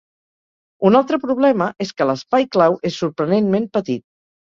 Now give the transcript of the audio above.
Un altre problema és que l'espai clau és sorprenentment petit.